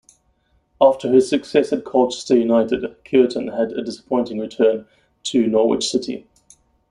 After his success at Colchester United, Cureton had a disappointing return to Norwich City.